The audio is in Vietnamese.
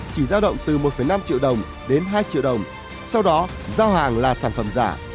chỉ giao động từ một năm triệu đồng đến hai triệu đồng sau đó giao hàng là sản phẩm giả